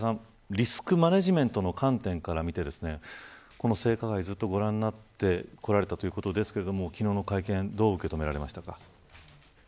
リスクマネジメントの観点から見てこの性加害、ずっとご覧になってこられたということですが昨日の会見はどう受け止めましたか。